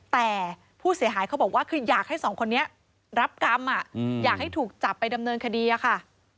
แต่ผู้เสียหายเขาบอกว่าคืออยากให้สองคนนี้รับกรรมอยากให้ถูกจับไปดำเนินคดีอะค่ะ